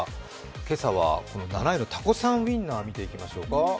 今朝は７位のタコさんウインナーを見ていきましょうか。